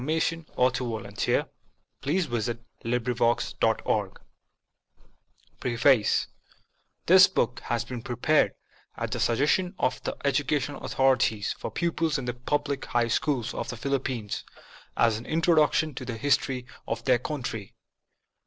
BABBOWS Entered at Stationers' Hall, London Barrows, Philippines PREFACE THIS book has been prepared at the suggestion of the educational authorities for pupils in the public high schools of the Philippines, as an introduction to the history of their country.